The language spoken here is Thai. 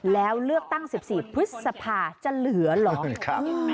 แล้วเลือกตั้ง๑๔พฤษภาจะเหลือเหรอ